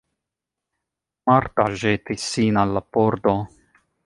Marta ĵetis sin al la pordo.